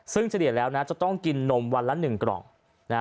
ซึ่งเฉลี่ยแล้วนะจะต้องกินนมวันละ๑กล่องนะฮะ